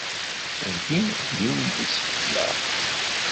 Tagi yiwen-is yella.